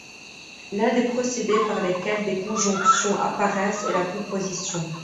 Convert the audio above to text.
L’un des procédés par lesquels des conjonctions apparaissent est la composition.